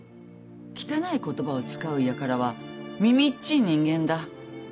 汚い言葉を使うやからはみみっちい人間だ。